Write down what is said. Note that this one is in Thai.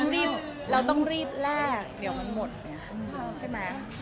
เราต้องรีบแลกเดี๋ยวมันหมด